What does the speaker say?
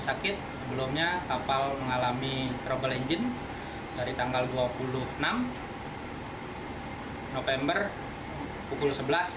sakit sebelumnya kapal mengalami trouble engine dari tanggal dua puluh enam november pukul sebelas